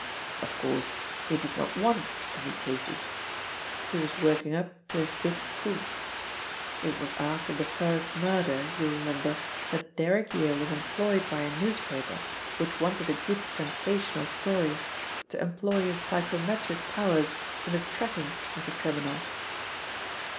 Of course, he did not want any cases. He was working up to his big coup. It was after the first murder, you remember, that Derrick Yale was employed by a newspaper, which wanted a good sensational story, to employ his psychometric powers in the tracking of the criminal.